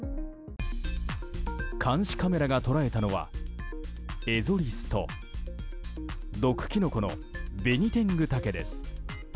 監視カメラが捉えたのはエゾリスと毒キノコのベニテングタケです。